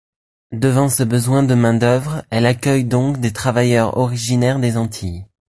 Devant ce besoin de main d'œuvre, elle accueille donc des travailleurs originaires des Antilles.